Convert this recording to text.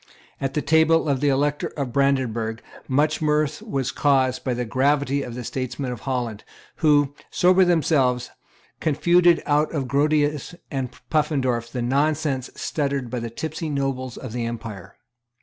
At the table of the Elector of Brandenburg much mirth was caused by the gravity of the statesmen of Holland, who, sober themselves, confuted out of Grotius and Puffendorf the nonsense stuttered by the tipsy nobles of the Empire.